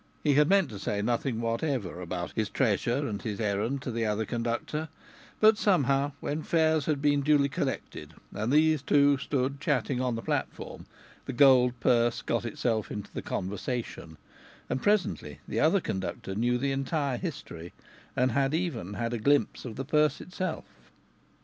He had meant to say nothing whatever about his treasure and his errand to the other conductor; but somehow, when fares had been duly collected, and these two stood chatting on the platform, the gold purse got itself into the conversation, and presently the other conductor knew the entire history, and had even had a glimpse of the purse itself.